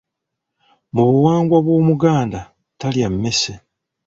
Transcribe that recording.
Mu buwangwa bw’Omuganda talya mmese.